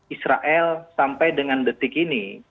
israel sampai dengan detik ini